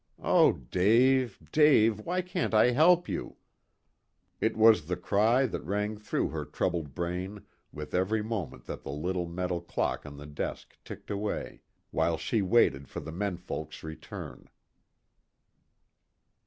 "Oh, Dave, Dave, why can't I help you?" It was the cry that rang through her troubled brain with every moment that the little metal clock on the desk ticked away, while she waited for the men folk's return.